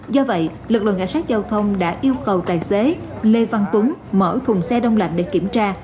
do vậy lực lượng cảnh sát giao thông đã yêu cầu tài xế lê văn tuấn mở thùng xe đông lạnh để kiểm tra